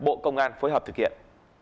cảnh sát điều tra bộ công an phối hợp thực hiện